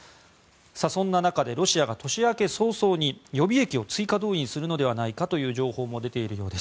そんな中でロシアが年明け早々に予備役を追加動員するのではないかという情報も出ているようです。